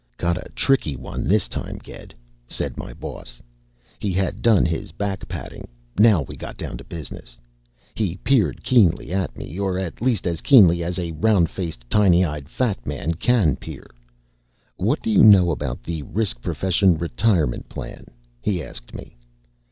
"Got a tricky one this time, Ged," said my boss. He had done his back patting, now we got down to business. He peered keenly at me, or at least as keenly as a round faced tiny eyed fat man can peer. "What do you know about the Risk Profession Retirement Plan?" he asked me.